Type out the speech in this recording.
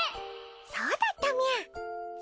そうだったみゃ。